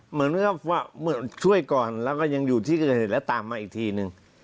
เหมือนกับว่าช่วยก่อนแล้วก็ยังอยู่ที่เกิดเหตุแล้วตามมาอีกทีนึง